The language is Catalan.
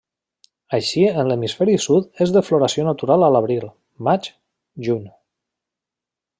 Així en l'hemisferi sud és de floració natural a l'abril, maig, juny.